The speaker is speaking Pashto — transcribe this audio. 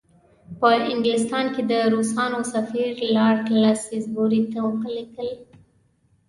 په انګلستان کې د روسانو سفیر لارډ سالیزبوري ته ولیکل.